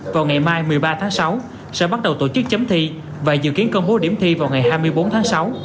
vào ngày mai một mươi ba tháng sáu sẽ bắt đầu tổ chức chấm thi và dự kiến công bố điểm thi vào ngày hai mươi bốn tháng sáu